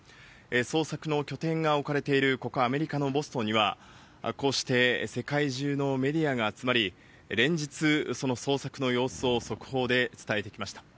捜索の拠点が置かれているここ、アメリカのボストンには、こうして世界中のメディアが集まり、連日、その捜索の様子を速報で伝えてきました。